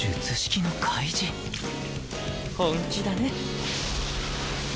本気だね。